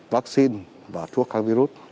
vaccine và thuốc kháng virus